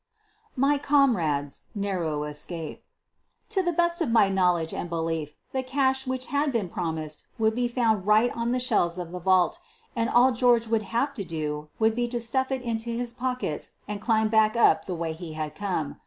MY COMRADE'S NARROW ESCAPE To the best of my knowledge^ and belief the cash which had been promised would be found right on the shelves of the vault, and all George would have to do would be to stuff it into his pockets and climb back up the way he had come.